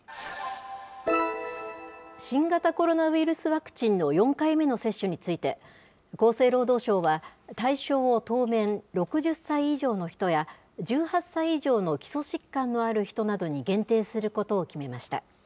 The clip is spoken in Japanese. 新型コロナウイルスワクチンの４回目の接種について、厚生労働省は対象を当面、６０歳以上の人や、１８歳以上の基礎疾患のある人などに限定することを決めました。